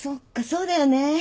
そうだよね。